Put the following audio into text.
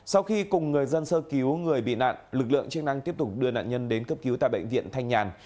sau khi cùng người dân sơ cứu người bị nạn lực lượng chức năng tiếp tục đưa nạn nhân đến cấp cứu tại bệnh viện thanh nhàn